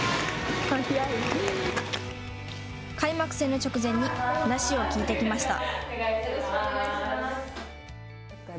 開幕戦の直前に話を聞いてきました。